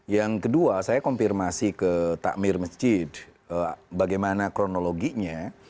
yang kedua saya konfirmasi ke takmir masjid bagaimana kronologinya